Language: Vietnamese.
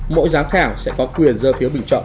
mỗi giám khảo sẽ có quyền dơ phiếu bình chọn